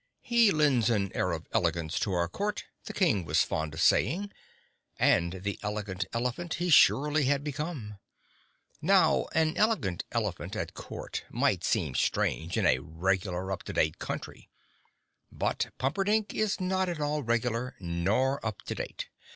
"He lends an air of elegance to our Court," the King was fond of saying, and the Elegant Elephant he surely had become. Now an Elegant Elephant at Court might seem strange in a regular up to date country, but Pumperdink is not at all regular nor up to date.